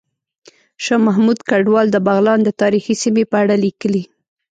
شاه محمود کډوال د بغلان د تاریخي سیمې په اړه ليکلي